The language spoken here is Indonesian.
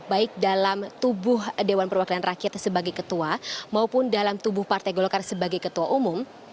baik dalam tubuh dewan perwakilan rakyat sebagai ketua maupun dalam tubuh partai golkar sebagai ketua umum